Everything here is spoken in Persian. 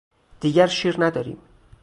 دیگر شیر نداریم.